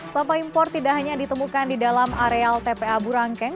sampah impor tidak hanya ditemukan di dalam areal tpa burangkeng